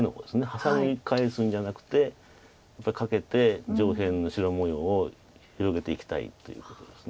ハサミ返すんじゃなくてやっぱりカケて上辺の白模様を広げていきたいということです。